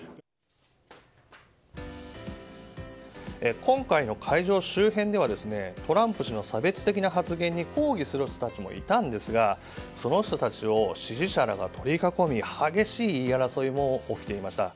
今回の会場周辺ではトランプ氏の差別的な発言に抗議するスタッフもいたんですがその人たちを支持者らが取り囲み激しい言い争いも起きていました。